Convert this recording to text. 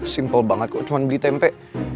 simple banget kok cuma beli tempe